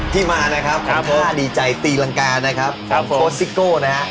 ที่มาของท่าดีใจตีลังกาของโค้ดซิโก้